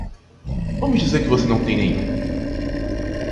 Vamos dizer que você não tem nenhum.